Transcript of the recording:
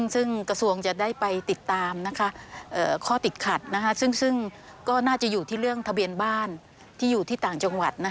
ซึ่งกระทรวงจะได้ไปติดตามข้อติดขัดซึ่งก็น่าจะอยู่ที่เรื่องทะเบียนบ้านที่อยู่ที่ต่างจังหวัด